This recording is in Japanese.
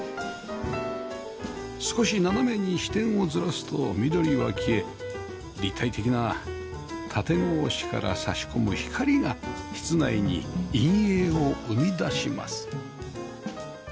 少し斜めに視点をずらすと緑は消え立体的な縦格子から差し込む光が室内に陰影を生み出します